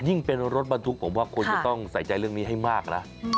เป็นรถบรรทุกผมว่าควรจะต้องใส่ใจเรื่องนี้ให้มากนะ